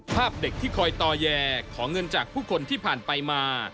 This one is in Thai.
ภาพเด็กที่คอยต่อแยขอเงินจากผู้คนที่ผ่านไปมา